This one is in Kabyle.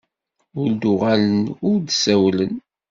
Ur d-uɣalen ur d-sawlen.